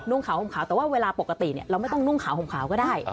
่งขาวห่มขาวแต่ว่าเวลาปกติเราไม่ต้องนุ่งขาวห่มขาวก็ได้